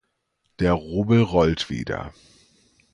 Der Rubel rollt wieder.